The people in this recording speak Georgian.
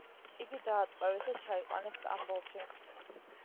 იგი დაატყვევეს და ჩაიყვანეს სტამბოლში.